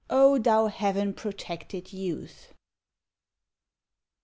O thou heaven protected youth!